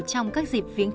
trong các dịp viễn pháp